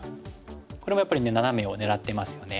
これもやっぱりナナメを狙ってますよね。